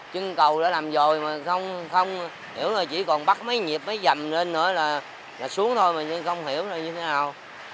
chân cầu đã làm rồi mà không hiểu là chỉ còn bắt mấy nhịp mấy dầm lên nữa là xuống thôi mà không hiểu là như thế nào